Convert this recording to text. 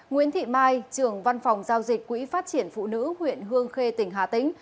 nguyễn thị mai trưởng văn phòng giao dịch quỹ phát triển phụ nữ huyện hương khê tỉnh hà tĩnh